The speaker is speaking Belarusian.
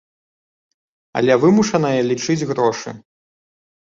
Але вымушаная лічыць грошы.